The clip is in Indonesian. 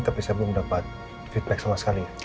tapi saya belum dapat feedback sama sekali